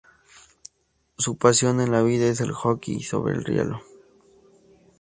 Su pasión en la vida es el hockey sobre hielo.